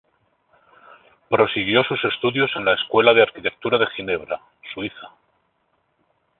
Prosiguió sus estudios en la Escuela de Arquitectura de Ginebra, Suiza.